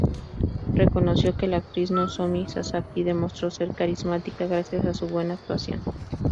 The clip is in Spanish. Reconoció que la actriz Nozomi Sasaki demostró ser carismática, gracias a su buena actuación.